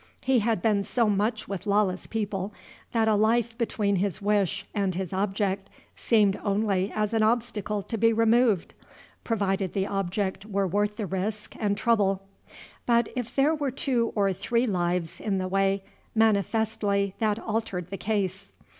He had been so much with lawless people, that a life between his wish and his object seemed only as an obstacle to be removed, provided the object were worth the risk and trouble. But if there were two or three lives in the way, manifestly that altered the case.